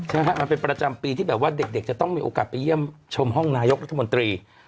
ใช่ฮะมันเป็นประจำปีที่แบบว่าเด็กจะต้องมีโอกาสไปเยี่ยมชมห้องนายกรัฐมนตรี